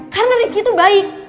karena rizky tuh baik